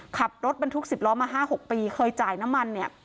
ขับรถบรรทุก๑๐ล้อมา๕๖ปีเคยจ่ายน้ำมันเนี่ย